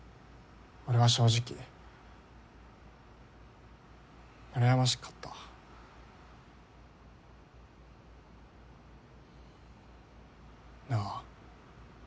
俺は正直うらやましかったなあ